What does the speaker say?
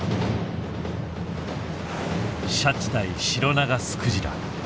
シャチ対シロナガスクジラ。